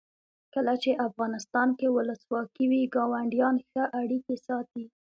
کله چې افغانستان کې ولسواکي وي ګاونډیان ښه اړیکې ساتي.